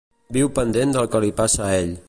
Viu pendent del que li passa a ell.